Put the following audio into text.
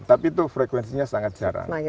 tapi itu frekuensinya sangat jarang